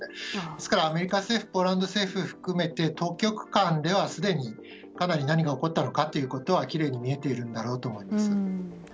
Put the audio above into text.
ですからアメリカ政府ポーランド政府含めて当局間ではすでに何が起こったかはきれいに見えているんだろうと思います。